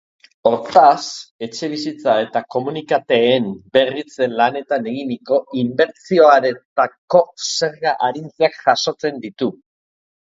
Hortaz, etxebizitza eta komunitateen berritze lanetan eginiko inbertsioetarako zerga arintzeak jasotzen ditu.